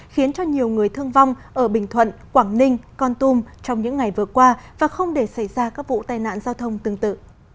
khiến cho nhiều người thương vong ở bình thuận quảng ninh con tum trong những ngày vừa qua và không để xảy ra các vụ tai nạn giao thông tương tự